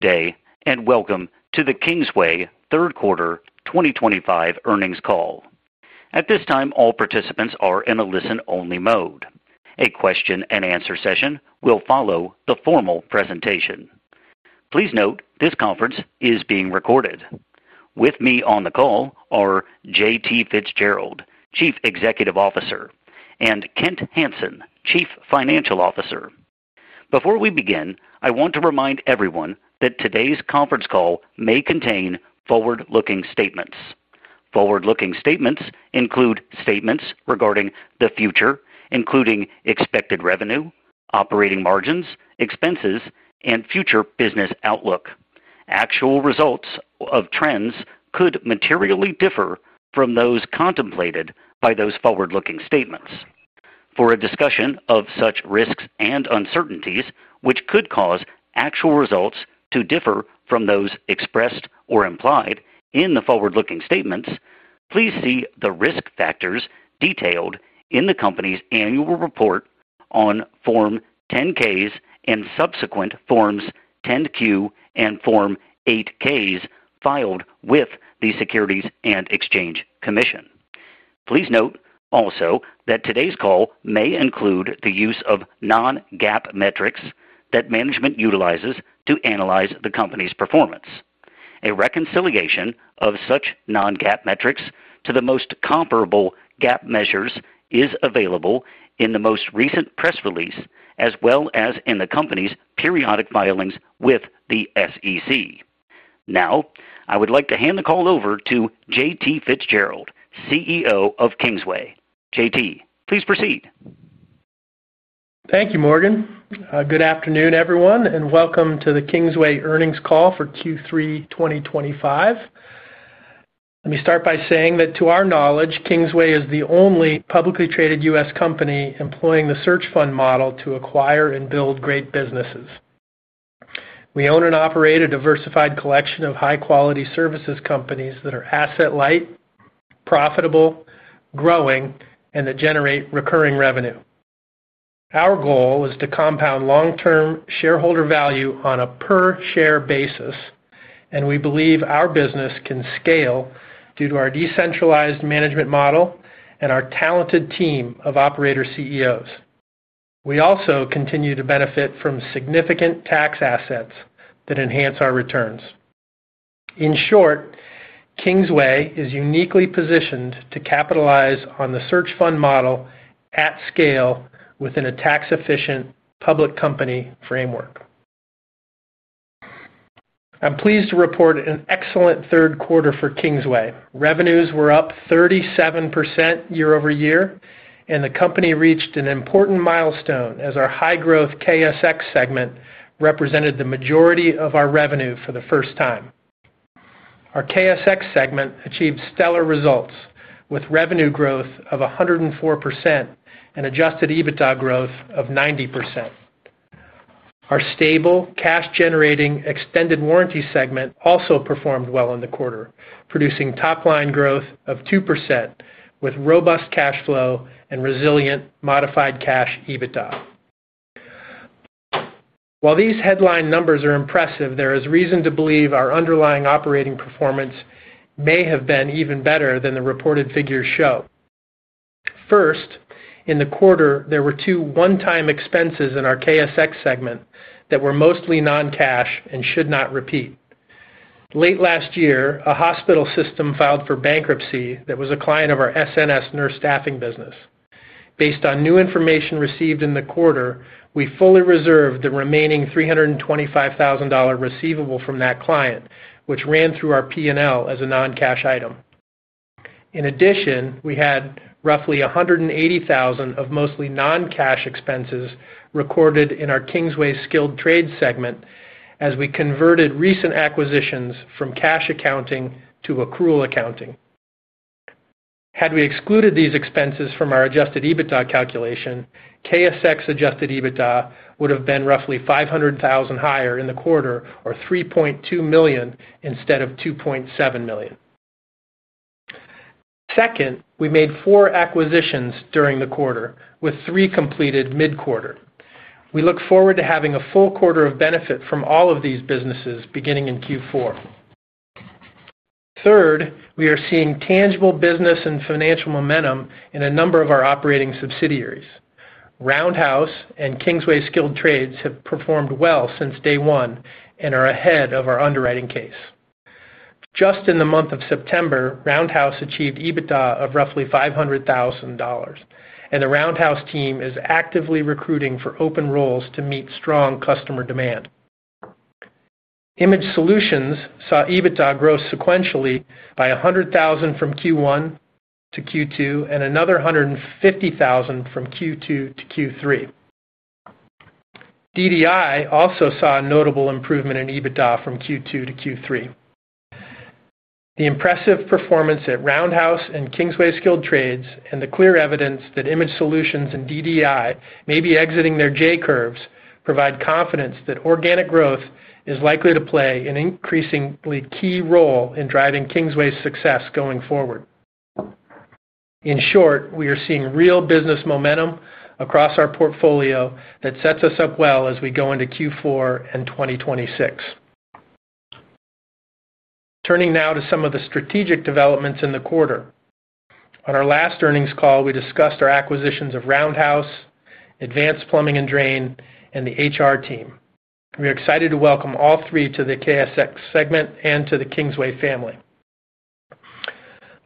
Today, and welcome to the Kingsway Third Quarter 2025 earnings call. At this time, all participants are in a listen-only mode. A question-and-answer session will follow the formal presentation. Please note this conference is being recorded. With me on the call are J.T. Fitzgerald, Chief Executive Officer, and Kent Hansen, Chief Financial Officer. Before we begin, I want to remind everyone that today's conference call may contain forward-looking statements. Forward-looking statements include statements regarding the future, including expected revenue, operating margins, expenses, and future business outlook. Actual results of trends could materially differ from those contemplated by those forward-looking statements. For a discussion of such risks and uncertainties, which could cause actual results to differ from those expressed or implied in the forward-looking statements, please see the risk factors detailed in the company's annual report on Form 10-Ks and subsequent Forms 10-Q and Form 8-Ks filed with the Securities and Exchange Commission. Please note also that today's call may include the use of non-GAAP metrics that management utilizes to analyze the company's performance. A reconciliation of such non-GAAP metrics to the most comparable GAAP measures is available in the most recent press release as well as in the company's periodic filings with the SEC. Now, I would like to hand the call over to J.T. Fitzgerald, CEO of Kingsway. J.T., please proceed. Thank you, Morgan. Good afternoon, everyone, and welcome to the Kingsway earnings call for Q3 2025. Let me start by saying that to our knowledge, Kingsway is the only publicly traded U.S. company employing the search fund model to acquire and build great businesses. We own and operate a diversified collection of high-quality services companies that are asset-light. Profitable, growing, and that generate recurring revenue. Our goal is to compound long-term shareholder value on a per-share basis, and we believe our business can scale due to our decentralized management model and our talented team of operator CEOs. We also continue to benefit from significant tax assets that enhance our returns. In short. Kingsway is uniquely positioned to capitalize on the search fund model at scale within a tax-efficient public company framework. I'm pleased to report an excellent third quarter for Kingsway. Revenues were up 37% year over year, and the company reached an important milestone as our high-growth KSX segment represented the majority of our revenue for the first time. Our KSX segment achieved stellar results with revenue growth of 104% and adjusted EBITDA growth of 90%. Our stable, cash-generating extended warranty segment also performed well in the quarter, producing top-line growth of 2% with robust cash flow and resilient modified cash EBITDA. While these headline numbers are impressive, there is reason to believe our underlying operating performance may have been even better than the reported figures show. First, in the quarter, there were two one-time expenses in our KSX segment that were mostly non-cash and should not repeat. Late last year, a hospital system filed for bankruptcy that was a client of our SNS nurse staffing business. Based on new information received in the quarter, we fully reserved the remaining $325,000 receivable from that client, which ran through our P&L as a non-cash item. In addition, we had roughly 180,000 of mostly non-cash expenses recorded in our Kingsway Skilled trades segment as we converted recent acquisitions from cash accounting to accrual accounting. Had we excluded these expenses from our adjusted EBITDA calculation, KSX adjusted EBITDA would have been roughly $500,000 higher in the quarter or $3.2 million instead of $2.7 million. Second, we made four acquisitions during the quarter, with three completed mid-quarter. We look forward to having a full quarter of benefit from all of these businesses beginning in Q4. Third, we are seeing tangible business and financial momentum in a number of our operating subsidiaries. Roundhouse and Kingsway Skilled Trades have performed well since day one and are ahead of our underwriting case. Just in the month of September, Roundhouse achieved EBITDA of roughly $500,000, and the Roundhouse team is actively recruiting for open roles to meet strong customer demand. Image Solutions saw EBITDA grow sequentially by $100,000 from Q1 to Q2 and another $150,000 from Q2 to Q3. DDI also saw a notable improvement in EBITDA from Q2 to Q3. The impressive performance at Roundhouse and Kingsway Skilled Trades, and the clear evidence that Image Solutions and DDI may be exiting their J curves, provide confidence that organic growth is likely to play an increasingly key role in driving Kingsway's success going forward. In short, we are seeing real business momentum across our portfolio that sets us up well as we go into Q4 and 2026. Turning now to some of the strategic developments in the quarter. On our last earnings call, we discussed our acquisitions of Roundhouse, Advanced Plumbing & Drain, and the HR team. We are excited to welcome all three to the KSX segment and to the Kingsway family.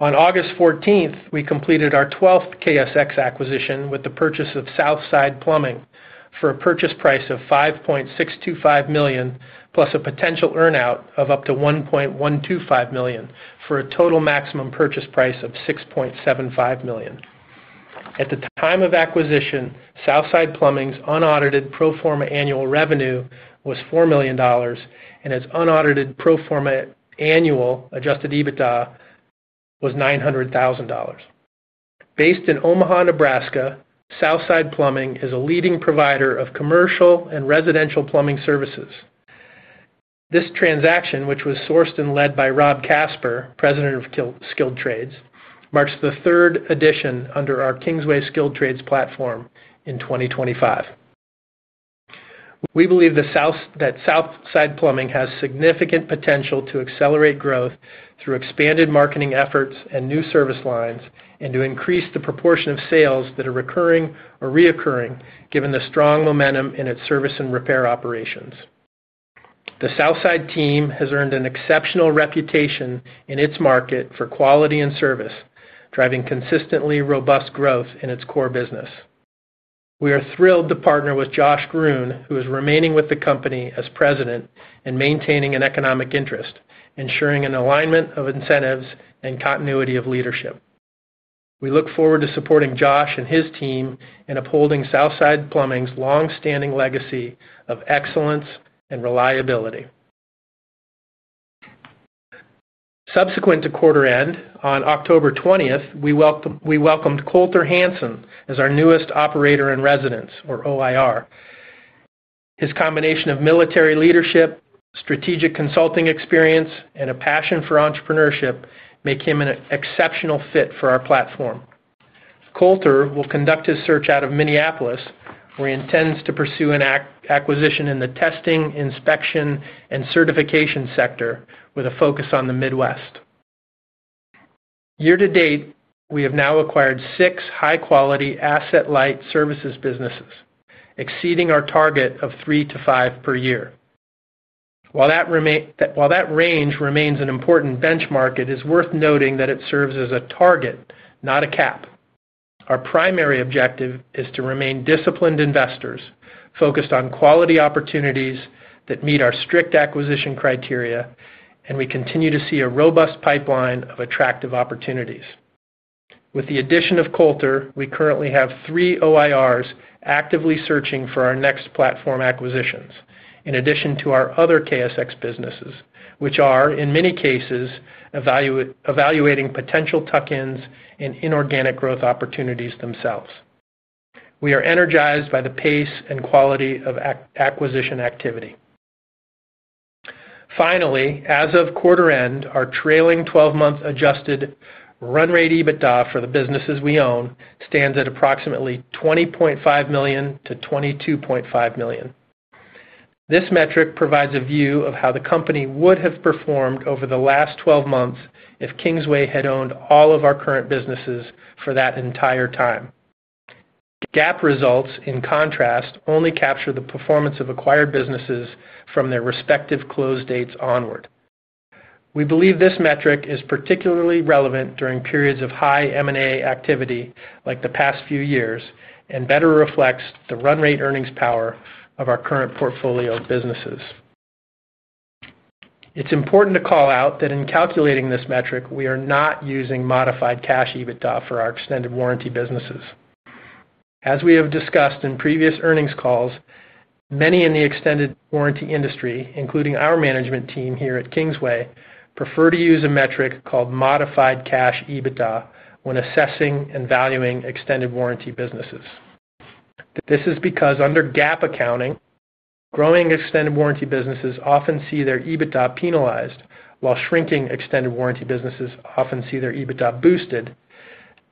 On August 14th, we completed our 12th KSX acquisition with the purchase of Southside Plumbing for a purchase price of $5.625 million, plus a potential earnout of up to $1.125 million for a total maximum purchase price of $6.75 million. At the time of acquisition, Southside Plumbing's unaudited pro forma annual revenue was $4 million, and its unaudited pro forma annual adjusted EBITDA was $900,000. Based in Omaha, Nebraska, Southside Plumbing is a leading provider of commercial and residential plumbing services. This transaction, which was sourced and led by Rob Casper, President of Skilled Trades, marks the third edition under our Kingsway Skilled Trades platform in 2025. We believe that Southside Plumbing has significant potential to accelerate growth through expanded marketing efforts and new service lines, and to increase the proportion of sales that are recurring or reoccurring given the strong momentum in its service and repair operations. The Southside team has earned an exceptional reputation in its market for quality and service, driving consistently robust growth in its core business. We are thrilled to partner with Josh Gruhn, who is remaining with the company as President and maintaining an economic interest, ensuring an alignment of incentives and continuity of leadership. We look forward to supporting Josh and his team in upholding Southside Plumbing's long-standing legacy of excellence and reliability. Subsequent to quarter-end, on October 20th, we welcomed Colter Hanson as our newest Operator in Residence, or OIR. His combination of military leadership, strategic consulting experience, and a passion for entrepreneurship make him an exceptional fit for our platform. Colter will conduct his search out of Minneapolis, where he intends to pursue an acquisition in the testing, inspection, and certification sector with a focus on the Midwest. Year to date, we have now acquired six high-quality asset-light services businesses, exceeding our target of three to five per year. While that. Range remains an important benchmark, it is worth noting that it serves as a target, not a cap. Our primary objective is to remain disciplined investors focused on quality opportunities that meet our strict acquisition criteria, and we continue to see a robust pipeline of attractive opportunities. With the addition of Colter, we currently have three OIRs actively searching for our next platform acquisitions, in addition to our other KSX businesses, which are, in many cases, evaluating potential tuck-ins and inorganic growth opportunities themselves. We are energized by the pace and quality of acquisition activity. Finally, as of quarter-end, our trailing 12-month adjusted run-rate EBITDA for the businesses we own stands at approximately $20.5 million-$22.5 million. This metric provides a view of how the company would have performed over the last 12 months if Kingsway had owned all of our current businesses for that entire time. GAAP results, in contrast, only capture the performance of acquired businesses from their respective close dates onward. We believe this metric is particularly relevant during periods of high M&A activity like the past few years and better reflects the run-rate earnings power of our current portfolio of businesses. It's important to call out that in calculating this metric, we are not using modified cash EBITDA for our extended warranty businesses. As we have discussed in previous earnings calls, many in the extended warranty industry, including our management team here at Kingsway, prefer to use a metric called modified cash EBITDA when assessing and valuing extended warranty businesses. This is because under GAAP accounting, growing extended warranty businesses often see their EBITDA penalized, while shrinking extended warranty businesses often see their EBITDA boosted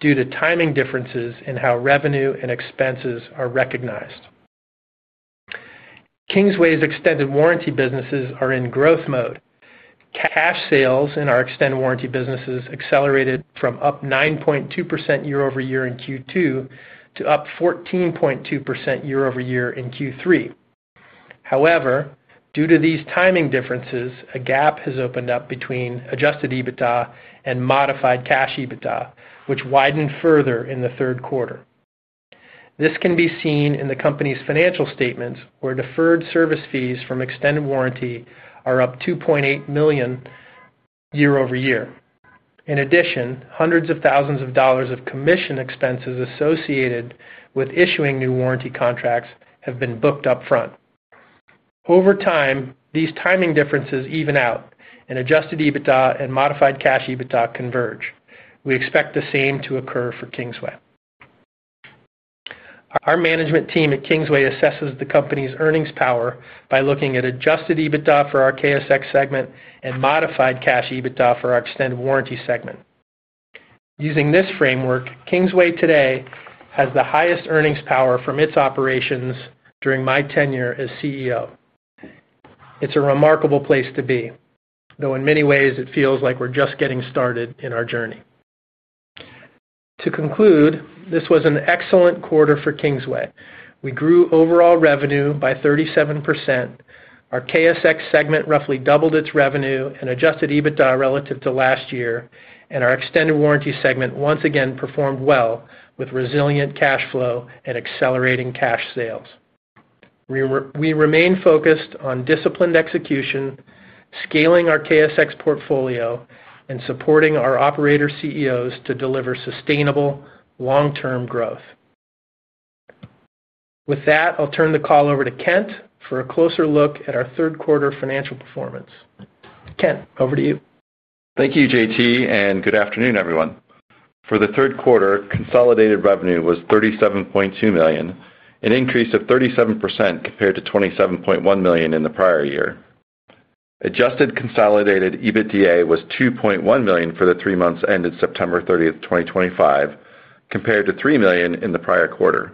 due to timing differences in how revenue and expenses are recognized. Kingsway's extended warranty businesses are in growth mode. Cash sales in our extended warranty businesses accelerated from up 9.2% year over year in Q2 to up 14.2% year over year in Q3. However, due to these timing differences, a gap has opened up between adjusted EBITDA and modified cash EBITDA, which widened further in the third quarter. This can be seen in the company's financial statements, where deferred service fees from extended warranty are up $2.8 million. Year over year. In addition, hundreds of thousands of dollars of commission expenses associated with issuing new warranty contracts have been booked upfront. Over time, these timing differences even out, and adjusted EBITDA and modified cash EBITDA converge. We expect the same to occur for Kingsway. Our management team at Kingsway assesses the company's earnings power by looking at adjusted EBITDA for our KSX segment and modified cash EBITDA for our extended warranty segment. Using this framework, Kingsway today has the highest earnings power from its operations during my tenure as CEO. It's a remarkable place to be, though in many ways, it feels like we're just getting started in our journey. To conclude, this was an excellent quarter for Kingsway. We grew overall revenue by 37%. Our KSX segment roughly doubled its revenue and adjusted EBITDA relative to last year, and our extended warranty segment once again performed well with resilient cash flow and accelerating cash sales. We remain focused on disciplined execution, scaling our KSX portfolio, and supporting our operator CEOs to deliver sustainable long-term growth. With that, I'll turn the call over to Kent for a closer look at our third quarter financial performance. Kent, over to you. Thank you, J.T., and good afternoon, everyone. For the third quarter, consolidated revenue was $37.2 million, an increase of 37% compared to $27.1 million in the prior year. Adjusted consolidated EBITDA was $2.1 million for the three months ended September 30th, 2025, compared to $3 million in the prior quarter.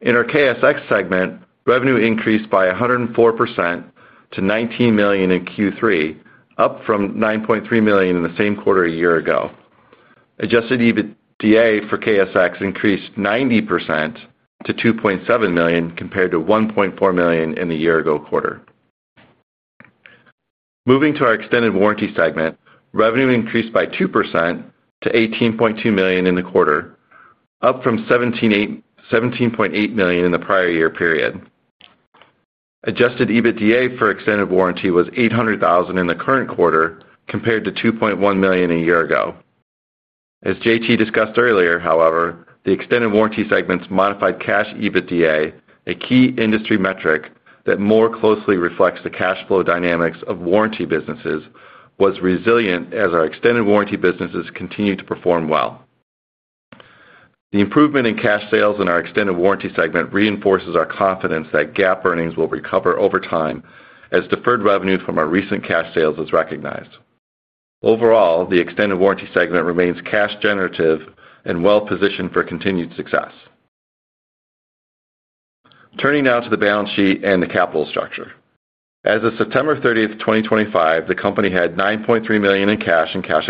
In our KSX segment, revenue increased by 104% to $19 million in Q3, up from $9.3 million in the same quarter a year ago. Adjusted EBITDA for KSX increased 90% to $2.7 million compared to $1.4 million in the year-ago quarter. Moving to our extended warranty segment, revenue increased by 2% to $18.2 million in the quarter, up from $17.8 million in the prior year period. Adjusted EBITDA for extended warranty was $800,000 in the current quarter compared to $2.1 million a year ago. As J.T. discussed earlier, however, the extended warranty segment's modified cash EBITDA, a key industry metric that more closely reflects the cash flow dynamics of warranty businesses, was resilient as our extended warranty businesses continued to perform well. The improvement in cash sales in our extended warranty segment reinforces our confidence that GAAP earnings will recover over time as deferred revenue from our recent cash sales is recognized. Overall, the extended warranty segment remains cash-generative and well-positioned for continued success. Turning now to the balance sheet and the capital structure. As of September 30th, 2025, the company had $9.3 million in cash and cash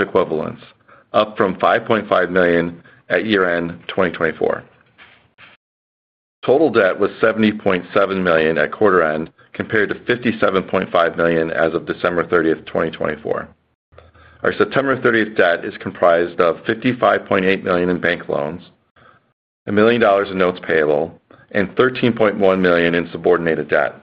equivalents, up from $5.5 million at year-end 2024. Total debt was $70.7 million at quarter-end compared to $57.5 million as of December 30th, 2024. Our September 30th debt is comprised of $55.8 million in bank loans. $1 million in notes payable, and $13.1 million in subordinated debt.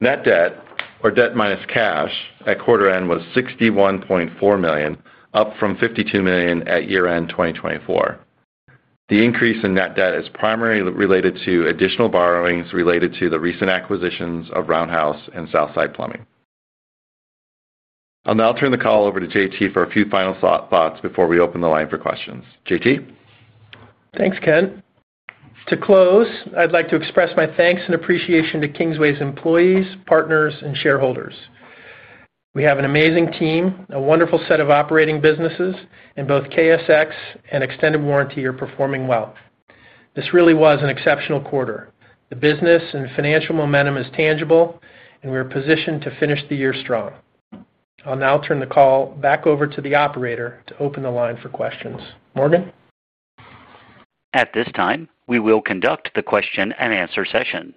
Net debt, or debt minus cash, at quarter-end was $61.4 million, up from $52 million at year-end 2024. The increase in net debt is primarily related to additional borrowings related to the recent acquisitions of Roundhouse and Southside Plumbing. I'll now turn the call over to J.T. for a few final thoughts before we open the line for questions. J.T.? Thanks, Kent. To close, I'd like to express my thanks and appreciation to Kingsway's employees, partners, and shareholders. We have an amazing team, a wonderful set of operating businesses, and both KSX and extended warranty are performing well. This really was an exceptional quarter. The business and financial momentum is tangible, and we are positioned to finish the year strong. I'll now turn the call back over to the operator to open the line for questions. Morgan? At this time, we will conduct the question-and-answer session.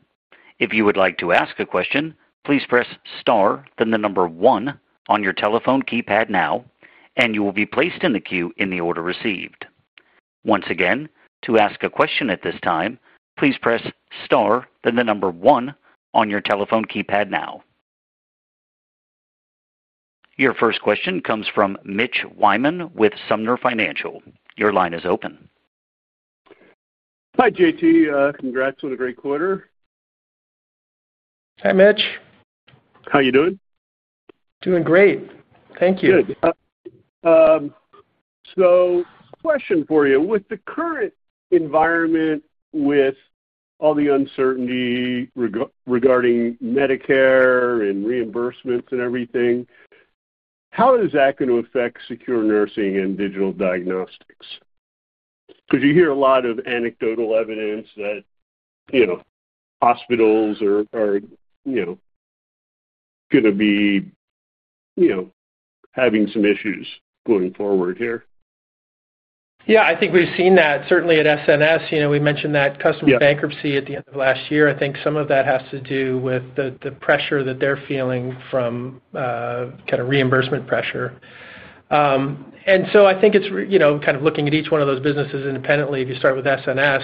If you would like to ask a question, please press star, then the number one on your telephone keypad now, and you will be placed in the queue in the order received. Once again, to ask a question at this time, please press star, then the number one on your telephone keypad now. Your first question comes from Mitch Wyman with Sumner Financial. Your line is open. Hi, J.T. Congrats on a great quarter. Hi, Mitch. How are you doing? Doing great. Thank you. Good. So question for you. With the current environment with all the uncertainty regarding Medicare and reimbursements and everything. How is that going to affect secure nursing and digital diagnostics? Because you hear a lot of anecdotal evidence that. Hospitals are. Going to be. Having some issues going forward here. Yeah. I think we've seen that. Certainly at SNS, we mentioned that customer bankruptcy at the end of last year. I think some of that has to do with the pressure that they're feeling from. Kind of reimbursement pressure. And so I think it's kind of looking at each one of those businesses independently. If you start with SNS,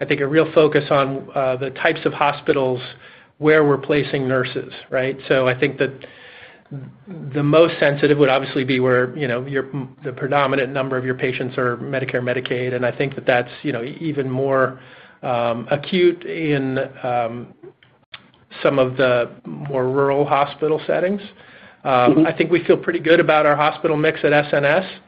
I think a real focus on the types of hospitals where we're placing nurses, right? So I think that. The most sensitive would obviously be where the predominant number of your patients are Medicare, Medicaid, and I think that that's even more. Acute in. Some of the more rural hospital settings. I think we feel pretty good about our hospital mix at SNS.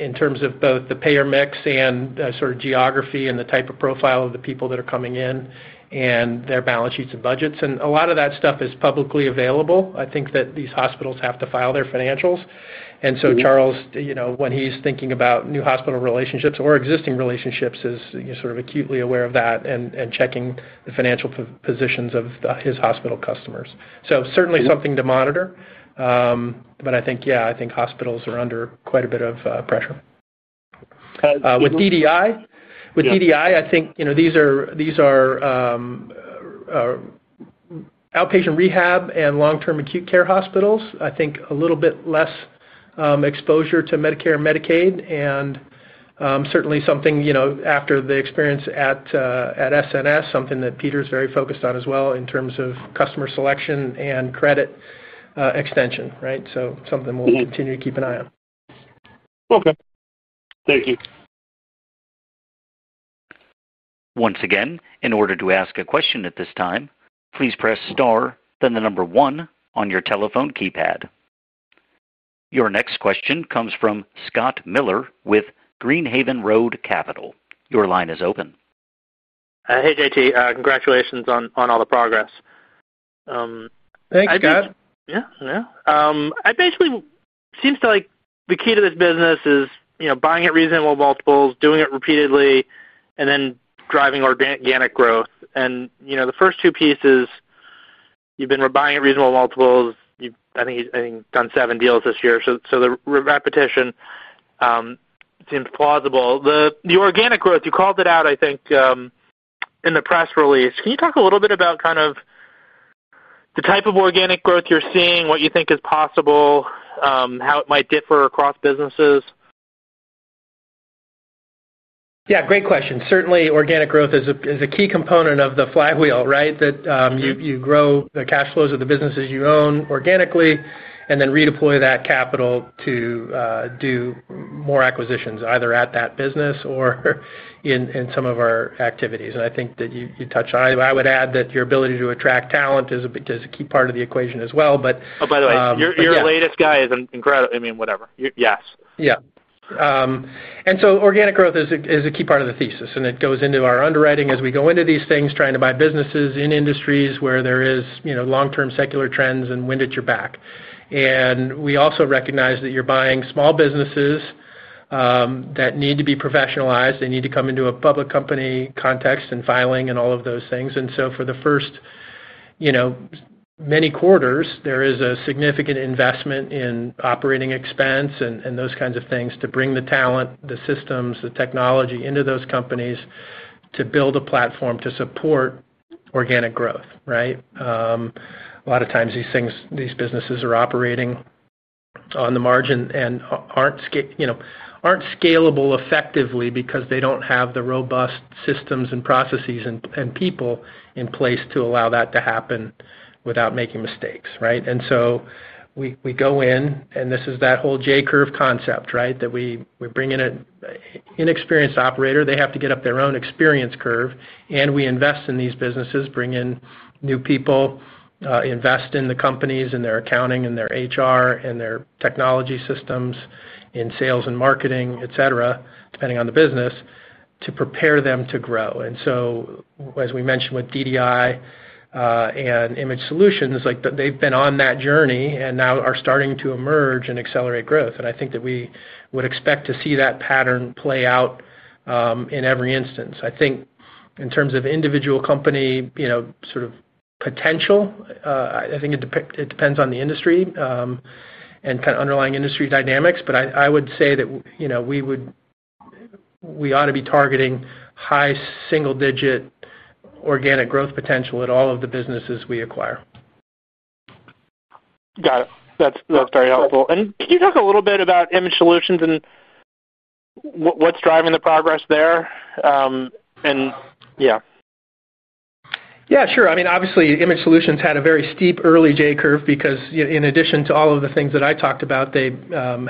In terms of both the payer mix and sort of geography and the type of profile of the people that are coming in and their balance sheets and budgets. And a lot of that stuff is publicly available. I think that these hospitals have to file their financials. And so Charles, when he's thinking about new hospital relationships or existing relationships, is sort of acutely aware of that and checking the financial positions of his hospital customers. So certainly something to monitor. But I think, yeah, I think hospitals are under quite a bit of pressure. With DDI, I think these are. Outpatient rehab and long-term acute care hospitals. I think a little bit less. Exposure to Medicare and Medicaid, and. Certainly something after the experience at. SNS, something that Peter's very focused on as well in terms of customer selection and credit extension, right? So something we'll continue to keep an eye on. Okay. Thank you. Once again, in order to ask a question at this time, please press star, then the number one on your telephone keypad. Your next question comes from Scott Miller with Greenhaven Road Capital. Your line is open. Hey, J.T. Congratulations on all the progress. Thanks, guys. Yeah. Yeah. It basically seems like the key to this business is buying at reasonable multiples, doing it repeatedly, and then driving organic growth. And the first two pieces. You've been buying at reasonable multiples. I think you've done seven deals this year. So the repetition. Seems plausible. The organic growth, you called it out, I think. In the press release. Can you talk a little bit about kind of. The type of organic growth you're seeing, what you think is possible. How it might differ across businesses? Yeah. Great question. Certainly, organic growth is a key component of the flywheel, right? That you grow the cash flows of the businesses you own organically and then redeploy that capital to. Do more acquisitions either at that business or. In some of our activities. And I think that you touched on it. I would add that your ability to attract talent is a key part of the equation as well. But. Oh, by the way, your latest guy is incredible. I mean, whatever. Yes. Yeah. And so organic growth is a key part of the thesis, and it goes into our underwriting as we go into these things, trying to buy businesses in industries where there are long-term secular trends and wind at your back. And we also recognize that you're buying small businesses. That need to be professionalized. They need to come into a public company context and filing and all of those things. And so for the first. Many quarters, there is a significant investment in operating expense and those kinds of things to bring the talent, the systems, the technology into those companies to build a platform to support. Organic growth, right? A lot of times these businesses are operating. On the margin and aren't. Scalable effectively because they don't have the robust systems and processes and people in place to allow that to happen without making mistakes, right? And so. We go in, and this is that whole J-curve concept, right, that we bring in an inexperienced operator. They have to get up their own experience curve, and we invest in these businesses, bring in new people. Invest in the companies and their accounting and their HR and their technology systems in sales and marketing, etc., depending on the business. To prepare them to grow. And so, as we mentioned with DDI. And Image Solutions, they've been on that journey and now are starting to emerge and accelerate growth. And I think that we would expect to see that pattern play out. In every instance. I think in terms of individual company. Sort of potential. I think it depends on the industry. And kind of underlying industry dynamics. But I would say that we ought to be targeting high single-digit organic growth potential at all of the businesses we acquire. Got it. That's very helpful. And can you talk a little bit about Image Solutions and. What's driving the progress there? And yeah. Yeah. Sure. I mean, obviously, Image Solutions had a very steep early J-curve because, in addition to all of the things that I talked about, they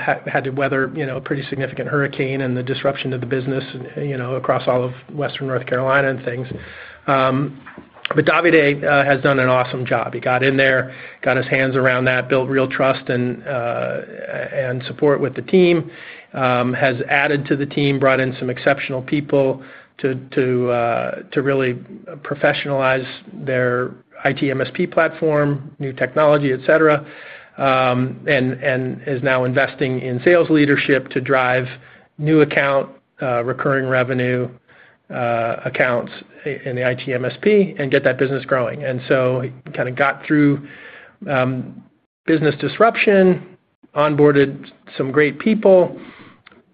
had to weather a pretty significant hurricane and the disruption of the business across all of Western North Carolina and things. But Davide has done an awesome job. He got in there, got his hands around that, built real trust and. Support with the team, has added to the team, brought in some exceptional people to. Really professionalize their IT MSP platform, new technology, etc.. And is now investing in sales leadership to drive new account, recurring revenue. Accounts in the IT MSP and get that business growing. And so he kind of got through. Business disruption, onboarded some great people.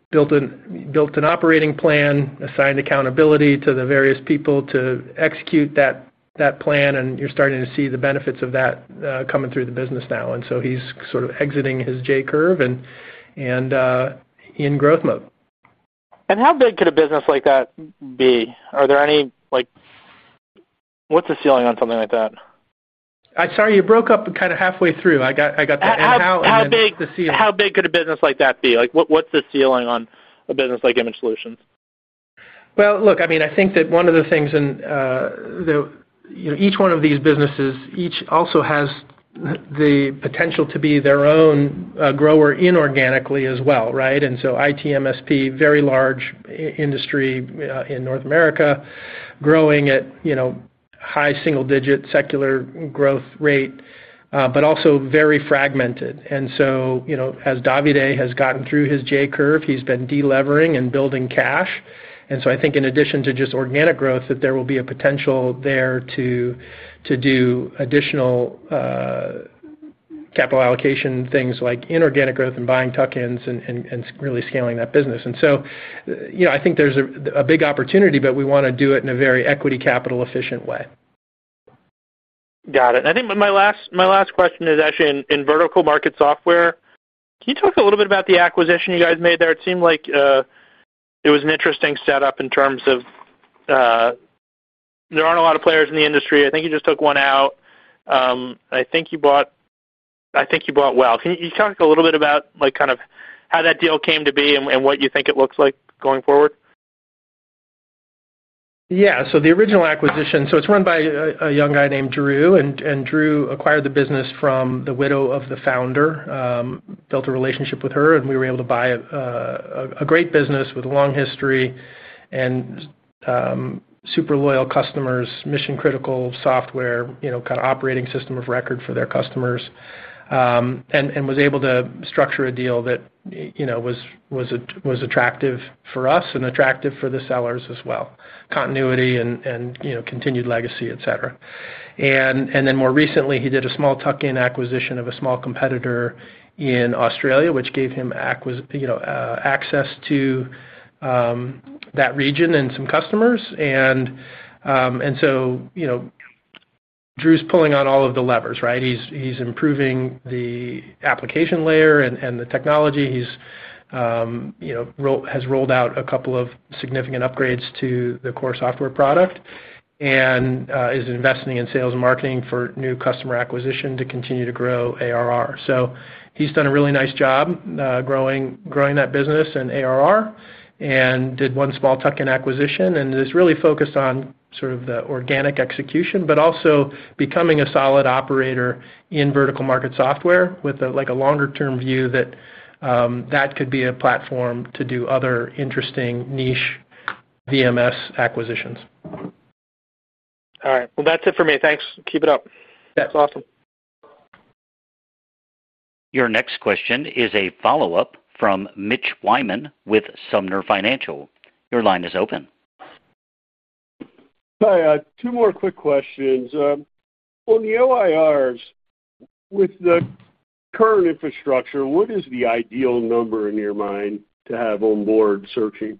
Built an operating plan, assigned accountability to the various people to execute that plan, and you're starting to see the benefits of that coming through the business now. And so he's sort of exiting his J-curve and. In growth mode. And how big could a business like that be? Are there any. What's the ceiling on something like that? Sorry, you broke up kind of halfway through. I got to end now. How big could a business like that be? What's the ceiling on a business like Image Solutions? Well, look, I mean, I think that one of the things. In. Each one of these businesses also has. The potential to be their own grower inorganically as well, right? And so IT MSP, very large industry in North America, growing at. High single-digit secular growth rate, but also very fragmented. And so as Davide has gotten through his J-curve, he's been delevering and building cash. And so I think in addition to just organic growth, that there will be a potential there to. Do additional. Capital allocation things like inorganic growth and buying tuck-ins and really scaling that business. And so I think there's a big opportunity, but we want to do it in a very equity capital efficient way. Got it. And I think my last question is actually in vertical market software. Can you talk a little bit about the acquisition you guys made there? It seemed like it was an interesting setup in terms of. There aren't a lot of players in the industry. I think you just took one out. I think you bought. I think you bought Well. Can you talk a little bit about kind of how that deal came to be and what you think it looks like going forward? Yeah. So the original acquisition, so it's run by a young guy named Drew, and Drew acquired the business from the widow of the founder. Built a relationship with her, and we were able to buy. A great business with a long history and. Super loyal customers, mission-critical software, kind of operating system of record for their customers. And was able to structure a deal that. Was. Attractive for us and attractive for the sellers as well. Continuity and continued legacy, etc. And then more recently, he did a small tuck-in acquisition of a small competitor in Australia, which gave him. Access to. That region and some customers. And. So. Drew's pulling on all of the levers, right? He's improving the application layer and the technology. He. Has rolled out a couple of significant upgrades to the core software product and is investing in sales and marketing for new customer acquisition to continue to grow ARR. So he's done a really nice job growing that business and ARR and did one small tuck-in acquisition. And it's really focused on sort of the organic execution, but also becoming a solid operator in vertical market software with a longer-term view that. That could be a platform to do other interesting niche VMS acquisitions. All right. Well, that's it for me. Thanks. Keep it up. That's awesome. Your next question is a follow-up from Mitch Wyman with Sumner Financial. Your line is open. Hi. Two more quick questions. On the OIRs. With the current infrastructure, what is the ideal number in your mind to have onboard searching?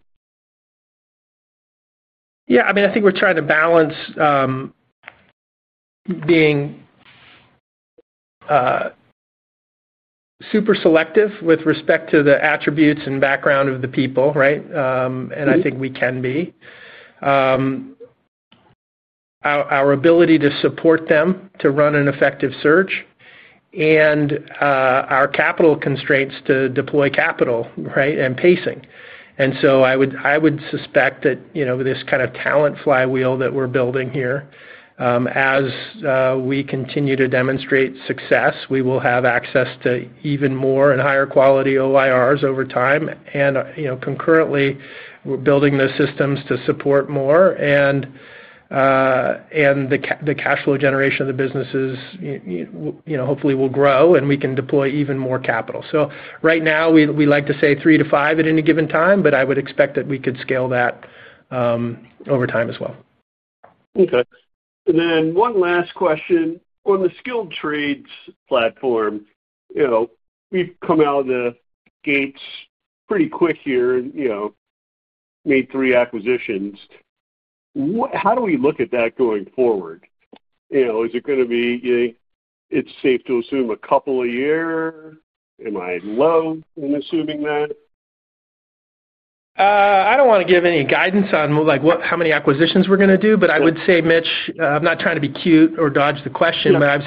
Yeah. I mean, I think we're trying to balance. Being. Super selective with respect to the attributes and background of the people, right? And I think we can be. Our ability to support them to run an effective search. And. Our capital constraints to deploy capital, right, and pacing. And so I would suspect that this kind of talent flywheel that we're building here. As we continue to demonstrate success, we will have access to even more and higher quality OIRs over time. And concurrently, we're building those systems to support more. And. The cash flow generation of the businesses. Hopefully will grow, and we can deploy even more capital. So right now, we like to say three to five at any given time, but I would expect that we could scale that. Over time as well. Okay. And then one last question. On the skilled trades platform. We've come out of the gates pretty quick here and. Made three acquisitions. How do we look at that going forward? Is it going to be. It's safe to assume a couple a year? Am I low in assuming that? I don't want to give any guidance on how many acquisitions we're going to do, but I would say, Mitch, I'm not trying to be cute or dodge the question, but I would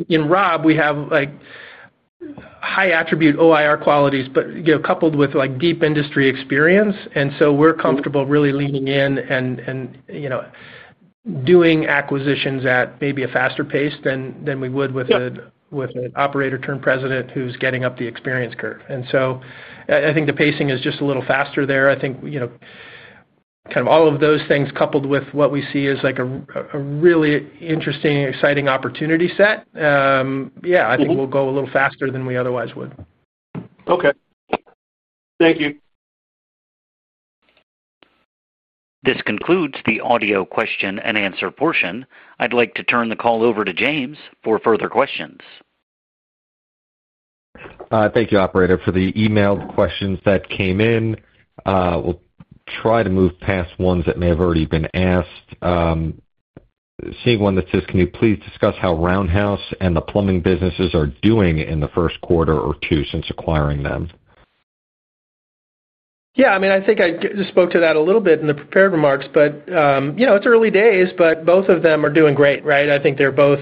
say in ROB, we have. High attribute OIR qualities, but coupled with deep industry experience. And so we're comfortable really leaning in and. Doing acquisitions at maybe a faster pace than we would with. An operator-turned-president who's getting up the experience curve. And so I think the pacing is just a little faster there. I think. Kind of all of those things coupled with what we see as a really interesting, exciting opportunity set. Yeah. I think we'll go a little faster than we otherwise would. Okay. Thank you. This concludes the audio question and answer portion. I'd like to turn the call over to James for further questions. Thank you, operator, for the emailed questions that came in. We'll try to move past ones that may have already been asked. Seeing one that says, "Can you please discuss how Roundhouse and the plumbing businesses are doing in the first quarter or two since acquiring them?" Yeah. I mean, I think I just spoke to that a little bit in the prepared remarks, but it's early days, but both of them are doing great, right? I think they're both.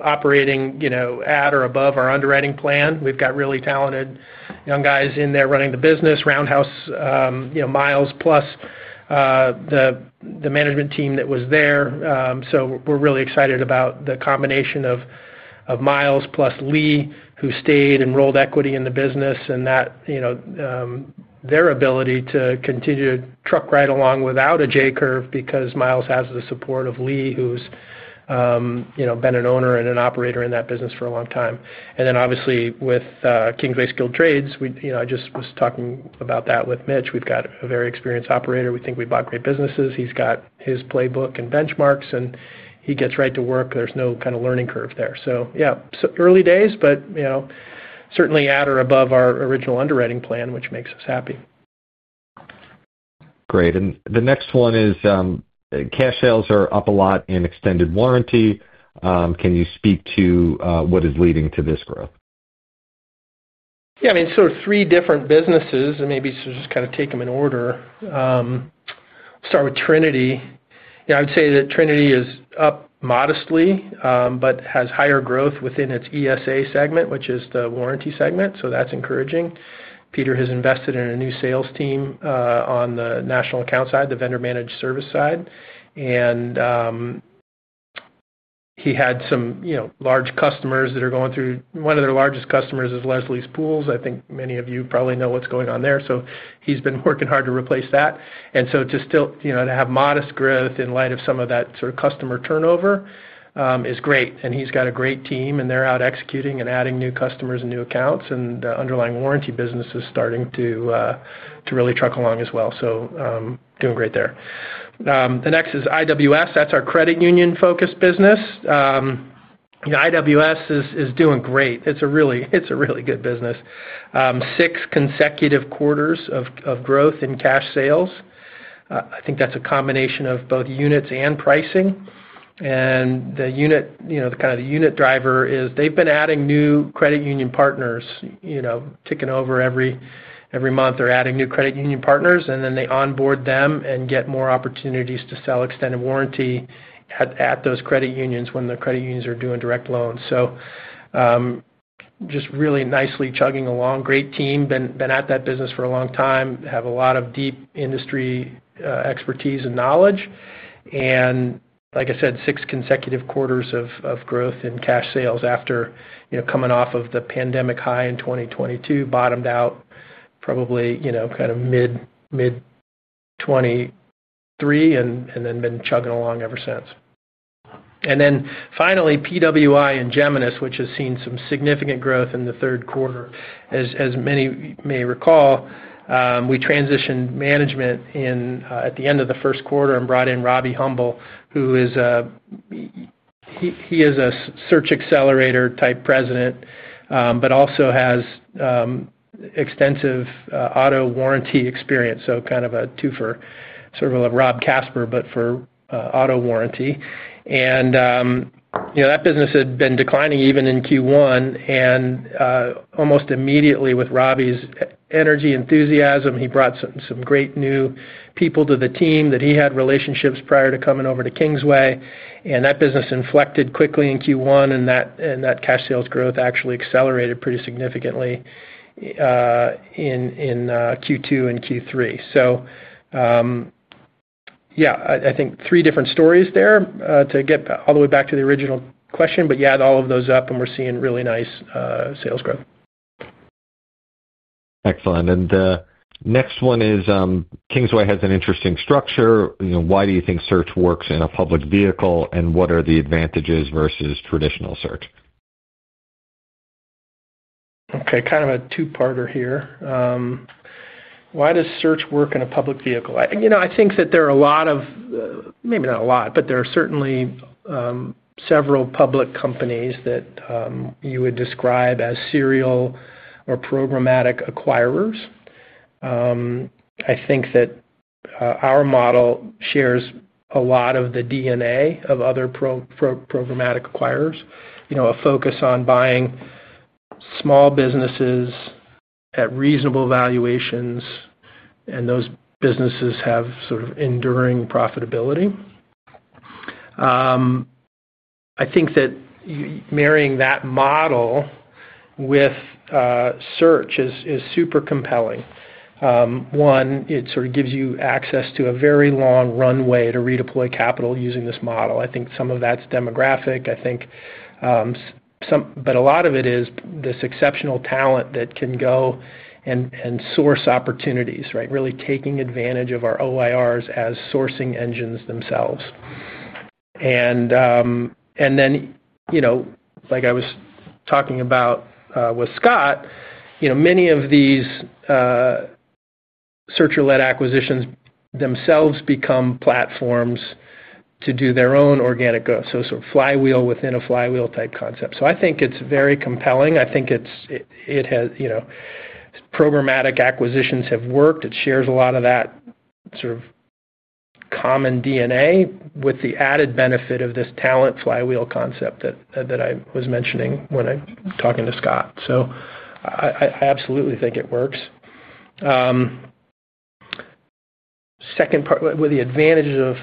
Operating. At or above our underwriting plan. We've got really talented young guys in there running the business, Roundhouse. Miles plus. The management team that was there. So we're really excited about the combination of. Miles plus Lee, who stayed and rolled equity in the business, and that. Their ability to continue to truck right along without a J-curve because Miles has the support of Lee, who's. Been an owner and an operator in that business for a long time. And then, obviously, with Kingsway Skilled Trades, I just was talking about that with Mitch. We've got a very experienced operator. We think we bought great businesses. He's got his playbook and benchmarks, and he gets right to work. There's no kind of learning curve there. So yeah, early days, but. Certainly at or above our original underwriting plan, which makes us happy. Great. And the next one is. Cash sales are up a lot in extended warranty. Can you speak to what is leading to this growth? Yeah. I mean, sort of three different businesses, and maybe just kind of take them in order. Start with Trinity. I would say that Trinity is up modestly but has higher growth within its ESA segment, which is the warranty segment. So that's encouraging. Peter has invested in a new sales team on the national account side, the vendor-managed service side. And. He had some large customers that are going through one of their largest customers is Leslie's Pools. I think many of you probably know what's going on there. So he's been working hard to replace that. And so to still have modest growth in light of some of that sort of customer turnover. Is great. And he's got a great team, and they're out executing and adding new customers and new accounts, and the underlying warranty business is starting to. Really truck along as well. So doing great there. The next is IWS. That's our credit union-focused business. IWS is doing great. It's a really good business. Six consecutive quarters of growth in cash sales. I think that's a combination of both units and pricing. And the kind of the unit driver is they've been adding new credit union partners. Ticking over every month, they're adding new credit union partners, and then they onboard them and get more opportunities to sell extended warranty at those credit unions when the credit unions are doing direct loans. So. Just really nicely chugging along. Great team. Been at that business for a long time. Have a lot of deep industry expertise and knowledge. And like I said, six consecutive quarters of growth in cash sales after coming off of the pandemic high in 2022, bottomed out probably kind of mid-23, and then been chugging along ever since. And then finally, PWI and Geminis, which has seen some significant growth in the third quarter. As many may recall. We transitioned management at the end of the first quarter and brought in Robbie Humble, who is. A search accelerator-type president. But also has. Extensive auto warranty experience. So kind of a two-for-sort of a Rob Casper but for auto warranty. And. That business had been declining even in Q1. And. Almost immediately with Robbie's energy enthusiasm, he brought some great new people to the team that he had relationships prior to coming over to Kingsway. And that business inflected quickly in Q1, and that cash sales growth actually accelerated pretty significantly. In Q2 and Q3. So. Yeah, I think three different stories there to get all the way back to the original question, but you add all of those up, and we're seeing really nice sales growth. Excellent. And the next one is Kingsway has an interesting structure. Why do you think search works in a public vehicle, and what are the advantages versus traditional search? Okay. Kind of a two-parter here. Why does search work in a public vehicle? I think that there are a lot of—maybe not a lot, but there are certainly. Several public companies that. You would describe as serial or programmatic acquirers. I think that. Our model shares a lot of the DNA of other. Programmatic acquirers, a focus on buying. Small businesses. At reasonable valuations. And those businesses have sort of enduring profitability. I think that. Marrying that model. With. Search is super compelling. One, it sort of gives you access to a very long runway to redeploy capital using this model. I think some of that's demographic. But a lot of it is this exceptional talent that can go. And source opportunities, right? Really taking advantage of our OIRs as sourcing engines themselves. And. Then. Like I was talking about. With Scott, many of these. Searcher-led acquisitions themselves become platforms to do their own organic growth. So sort of flywheel within a flywheel-type concept. So I think it's very compelling. I think it has. Programmatic acquisitions have worked. It shares a lot of that. Sort of. Common DNA with the added benefit of this talent flywheel concept that I was mentioning when I was talking to Scott. So. I absolutely think it works. Second part, with the advantages.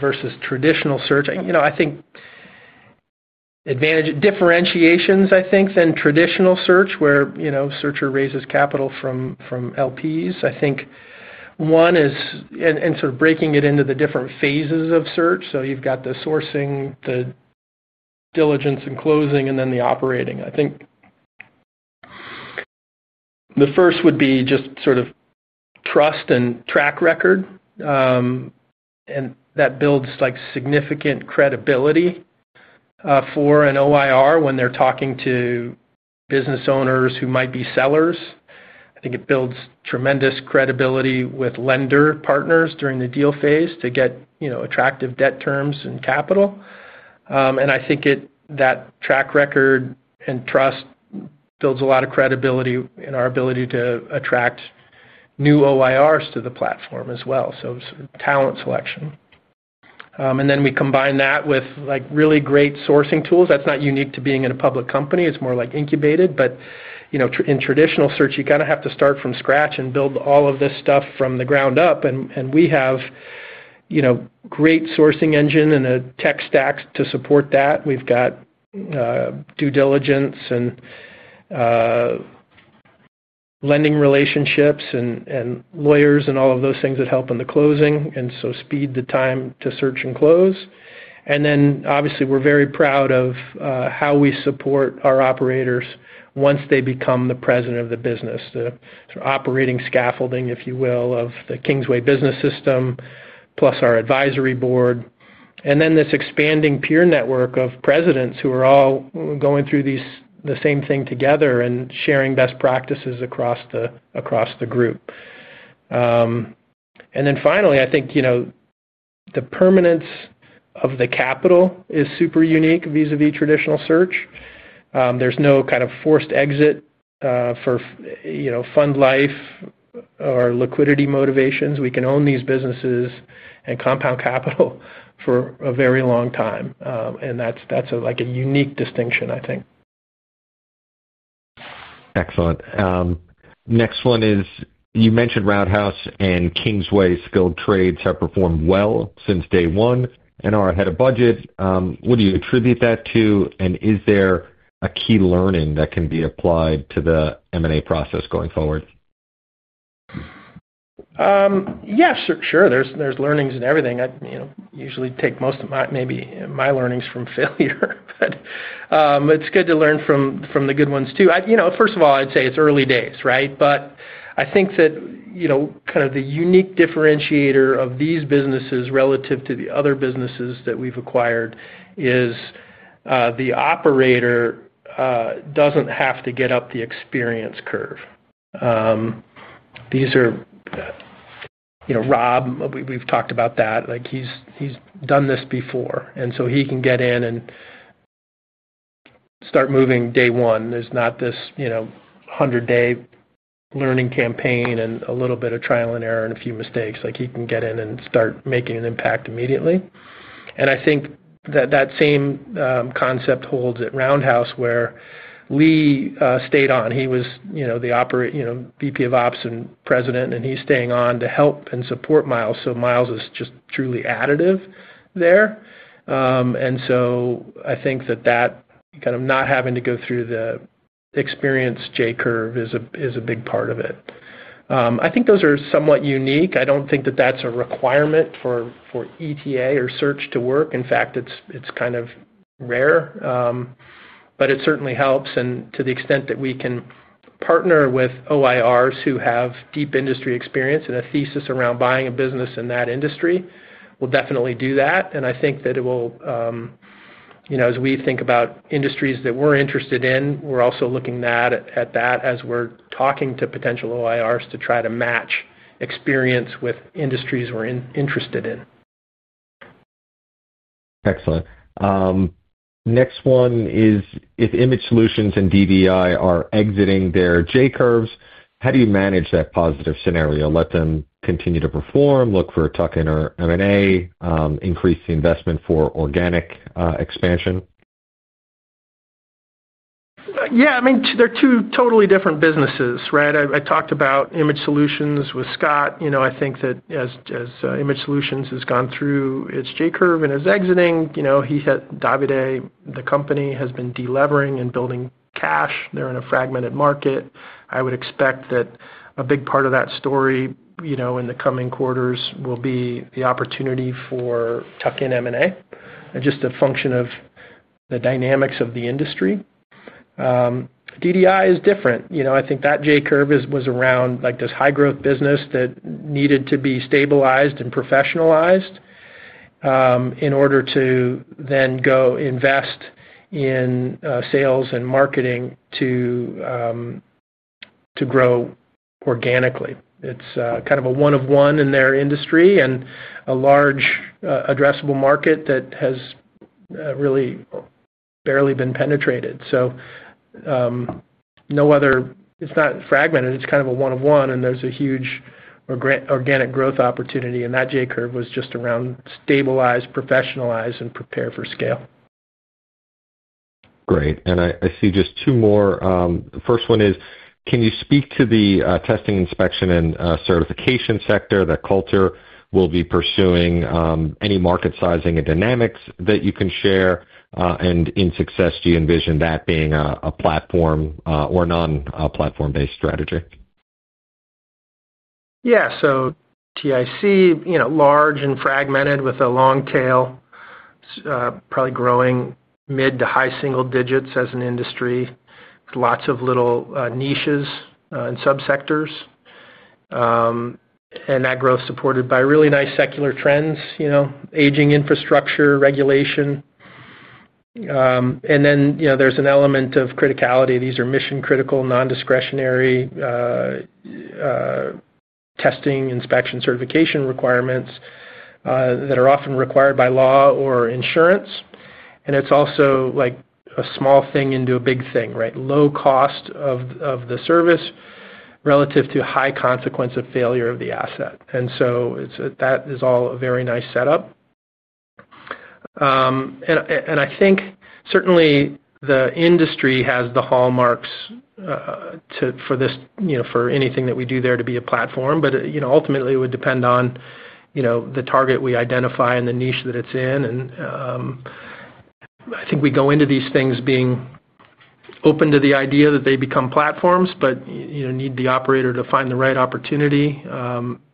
Versus traditional search, I think. Differentiations, I think, than traditional search, where searcher raises capital from LPs. I think. One is—and sort of breaking it into the different phases of search. So you've got the sourcing, the. Diligence, and closing, and then the operating. I think. The first would be just sort of. Trust and track record. And that builds significant credibility. For an OIR when they're talking to. Business owners who might be sellers. I think it builds tremendous credibility with lender partners during the deal phase to get attractive debt terms and capital. And I think that track record and trust builds a lot of credibility in our ability to attract new OIRs to the platform as well. So sort of talent selection. And then we combine that with really great sourcing tools. That's not unique to being in a public company. It's more like incubated. But. In traditional search, you kind of have to start from scratch and build all of this stuff from the ground up. And we have. A great sourcing engine and a tech stack to support that. We've got. Due diligence and. Lending relationships and lawyers and all of those things that help in the closing and so speed the time to search and close. And then, obviously, we're very proud of how we support our operators once they become the president of the business, the sort of operating scaffolding, if you will, of the Kingsway business system, plus our advisory board. And then this expanding peer network of presidents who are all going through the same thing together and sharing best practices across the group. And then finally, I think. The permanence of the capital is super unique vis-à-vis traditional search. There's no kind of forced exit for. Fund life. Or liquidity motivations. We can own these businesses and compound capital for a very long time. And that's a unique distinction, I think. Excellent. Next one is you mentioned Roundhouse and Kingsway Skilled Trades have performed well since day one and are ahead of budget. What do you attribute that to? And is there a key learning that can be applied to the M&A process going forward? Yeah. Sure. There's learnings in everything. I usually take most of my learnings from failure, but. It's good to learn from the good ones too. First of all, I'd say it's early days, right? But I think that. Kind of the unique differentiator of these businesses relative to the other businesses that we've acquired is. The operator. Doesn't have to get up the experience curve. These are. Rob, we've talked about that. He's done this before. And so he can get in and. Start moving day one. There's not this. 100-day learning campaign and a little bit of trial and error and a few mistakes. He can get in and start making an impact immediately. And I think that that same concept holds at Roundhouse, where. Lee stayed on. He was the. VP of Ops and president, and he's staying on to help and support Miles. So Miles is just truly additive there. And so I think that that kind of not having to go through the experience J-curve is a big part of it. I think those are somewhat unique. I don't think that that's a requirement for. ETA or search to work. In fact, it's kind of rare. But it certainly helps. And to the extent that we can partner with OIRs who have deep industry experience and a thesis around buying a business in that industry, we'll definitely do that. And I think that it will. As we think about industries that we're interested in, we're also looking at that as we're talking to potential OIRs to try to match experience with industries we're interested in. Excellent. Next one is if Image Solutions and DDI are exiting their J-curves, how do you manage that positive scenario? Let them continue to perform, look for a tuck in or M&A, increase the investment for organic expansion? Yeah. I mean, they're two totally different businesses, right? I talked about Image Solutions with Scott. I think that as Image Solutions has gone through its J-curve and is exiting, he said Davide the company has been delevering and building cash. They're in a fragmented market. I would expect that a big part of that story in the coming quarters will be the opportunity for tuck in M&A and just a function of. The dynamics of the industry. DDI is different. I think that J-curve was around this high-growth business that needed to be stabilized and professionalized. In order to then go invest in sales and marketing to. Grow. Organically. It's kind of a one-of-one in their industry and a large addressable market that has. Really. Barely been penetrated. So. It's not fragmented. It's kind of a one-of-one, and there's a huge. Organic growth opportunity. And that J-curve was just around stabilize, professionalize, and prepare for scale. Great. And I see just two more. The first one is, can you speak to the testing, inspection, and certification sector that Culture will be pursuing? Any market sizing and dynamics that you can share? And in success, do you envision that being a platform or non-platform-based strategy? Yeah. So TIC, large and fragmented with a long tail. Probably growing mid to high single digits as an industry. Lots of little niches and subsectors. And that growth supported by really nice secular trends, aging infrastructure, regulation. And then there's an element of criticality. These are mission-critical, non-discretionary. Testing, inspection, certification requirements. That are often required by law or insurance. And it's also. A small thing into a big thing, right? Low cost of the service. Relative to high consequence of failure of the asset. And so that is all a very nice setup. And I think certainly the industry has the hallmarks. For anything that we do there to be a platform. But ultimately, it would depend on. The target we identify and the niche that it's in. And. I think we go into these things being. Open to the idea that they become platforms, but need the operator to find the right opportunity,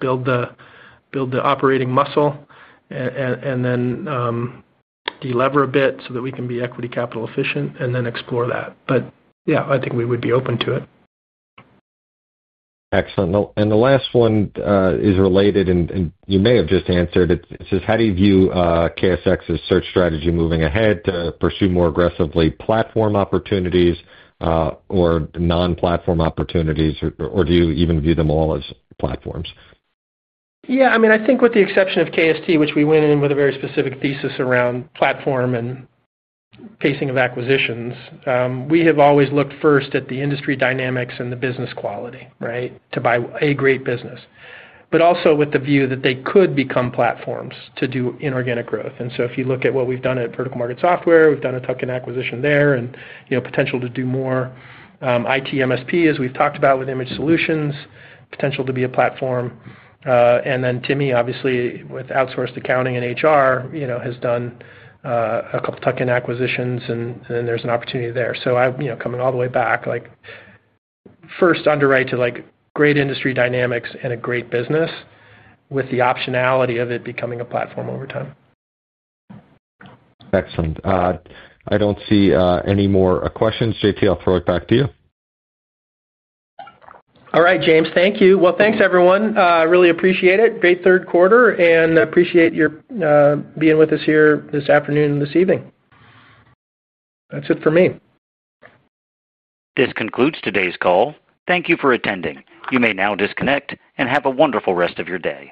build the. Operating muscle. And then. Delever a bit so that we can be equity capital efficient, and then explore that. But yeah, I think we would be open to it. Excellent. And the last one is related, and you may have just answered. It says, how do you view KSX's search strategy moving ahead to pursue more aggressively platform opportunities. Or non-platform opportunities? Or do you even view them all as platforms? Yeah. I mean, I think with the exception of KST, which we went in with a very specific thesis around platform and. Facing of acquisitions, we have always looked first at the industry dynamics and the business quality, right, to buy a great business. But also with the view that they could become platforms to do inorganic growth. And so if you look at what we've done at Vertical Market Software, we've done a tuck in acquisition there and potential to do more. IT MSP, as we've talked about with Image Solutions, potential to be a platform. And then Timmy, obviously, with outsourced accounting and HR, has done. A couple of tuck in acquisitions, and there's an opportunity there. So coming all the way back. First underwrite to great industry dynamics and a great business. With the optionality of it becoming a platform over time. Excellent. I don't see any more questions. J.T., I'll throw it back to you. All right, James. Thank you. Well, thanks, everyone. I really appreciate it. Great third quarter. And I appreciate your being with us here this afternoon and this evening. That's it for me. This concludes today's call. Thank you for attending. You may now disconnect and have a wonderful rest of your day.